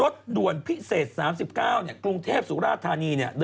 เทพสุราชธานีเนี่ย